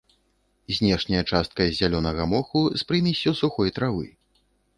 Знешняя частка з зялёнага моху з прымессю сухой травы.